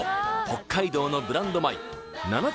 北海道のブランド米なな